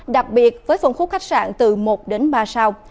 đặc biệt với phân khúc khách sạn từ một đến ba sao